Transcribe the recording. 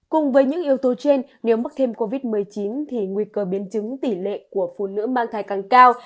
cùng với những yếu tố trên nếu mắc thêm covid một mươi chín thì nguy cơ biến chứng tỷ lệ của phụ nữ mang thai càng cao